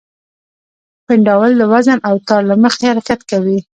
پینډول د وزن او تار له مخې حرکت کوي.